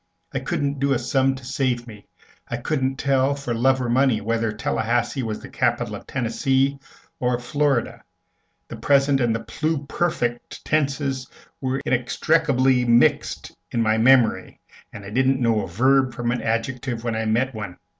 I couldn't do a sum to save me; I couldn't tell, for love or money, whether Tallahassee was the capital of Tennessee or of Florida; the present and the pluperfect tenses were inextricably mixed in my memory, and I didn't know a verb from an adjective when I met one.